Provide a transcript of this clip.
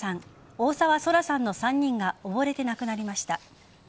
大沢奏來さんの３人が溺れて亡くなりました。